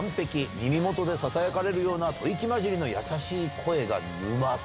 耳元でささやかれるような吐息交じりの優しい声が沼と。